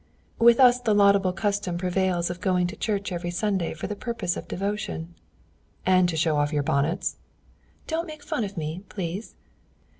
"With us the laudable custom prevails of going to church every Sunday for the purpose of devotion." "And to show off your new bonnets." "Don't make fun of me, please.